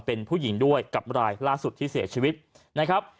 เป็นผู้หญิงด้วยกับรายล่าสุดที่เสียชีวิตนะครับ